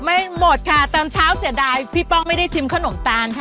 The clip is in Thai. ไม่หมดค่ะตอนเช้าเสียดายพี่ป้องไม่ได้ชิมขนมตาลค่ะ